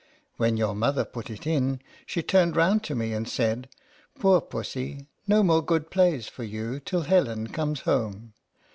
When your mother put it in, she turned round to me, and said, " Poor pussy, no more good plays for you till Helen comes home